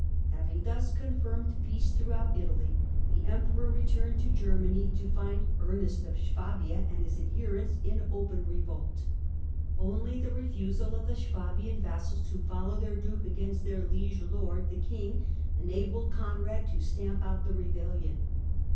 Having thus confirmed peace throughout Italy, the Emperor returned to Germany, to find Ernest of Swabia and his adherents in open revolt. Only the refusal of the Swabian vassals to follow their duke against their liege lord the king enabled Conrad to stamp out the rebellion.